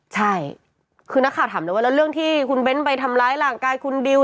ใช่คือนักข่าวถามเลยว่าแล้วเรื่องที่คุณเบ้นไปทำร้ายร่างกายคุณดิว